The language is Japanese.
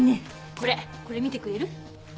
これ見てくれる？